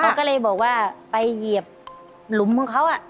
เขาก็เลยบอกว่าไปเหยียบหลุมของเขา